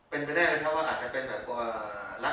เป็นไปได้เลย